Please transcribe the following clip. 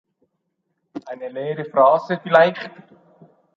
Eine leere Phrase vielleicht.